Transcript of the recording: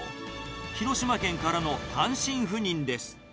広島県からの単身赴任です。